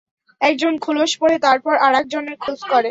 একজনের খোলস পরে তারপর আরেকজনের খোঁজ করে।